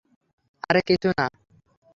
আরে কিছু না।